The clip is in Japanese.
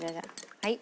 はい。